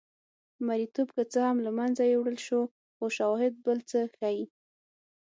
مریتوب که څه هم له منځه یووړل شو خو شواهد بل څه ښيي.